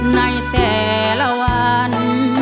ในแต่ละวัน